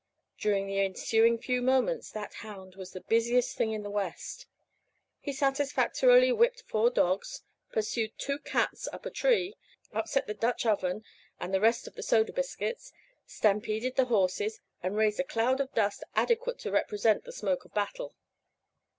During the ensuing few moments that hound was the busiest thing in the West. He satisfactorily whipped four dogs, pursued two cats up a tree, upset the Dutch oven and the rest of the soda biscuits, stampeded the horses, and raised a cloud of dust adequate to represent the smoke of battle.